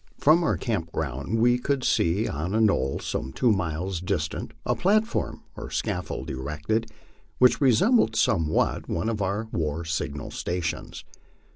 From our camp ground we could see on a knoll some two miles distant a platform or scaffold erected, which resembled somewhat one of our war signal stations.